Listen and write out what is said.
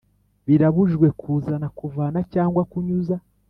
Birabujijwe kuzana kuvana cyangwa kunyuza